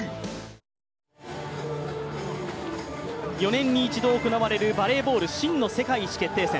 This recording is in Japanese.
４年に一度行われるバレーボール真の世界一決定戦。